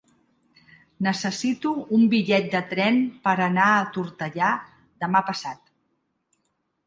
Necessito un bitllet de tren per anar a Tortellà demà passat.